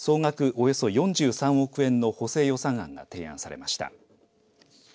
およそ４３億円の補正予算案が提案されました。